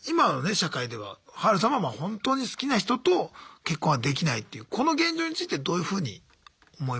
社会ではハルさんは本当に好きな人と結婚はできないというこの現状についてどういうふうに思いますか？